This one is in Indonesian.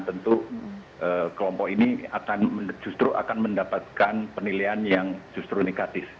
tentu kelompok ini justru akan mendapatkan penilaian yang justru negatif